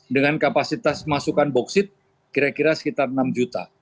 dengan kapasitas masukan boksit kira kira sekitar enam juta